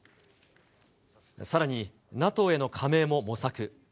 さらに、ＮＡＴＯへの加盟も模索。